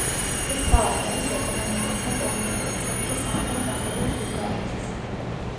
ეს ქალაქი არის ეკონომიკური და პოლიტიკური ცენტრი სამხრეთ-დასავლეთ ბულგარეთის.